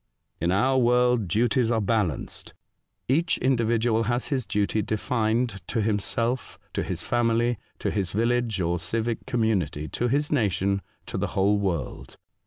*' In our world duties are balanced. Each The Voyage of Circumnavigation. 145 individual has his duty defined to himself, to his family, to his village or civic community, to his nation, to the whole world.